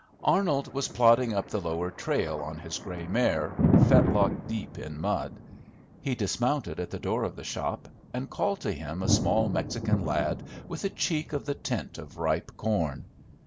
Arnold was plodding up the lower trail on his gray mare, fetlock deep in mud. He dismounted at the door of the shop, and called to him a small Mexican lad with a cheek of the tint of ripe corn.